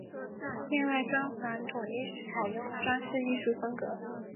内外装潢统一采用装饰艺术风格。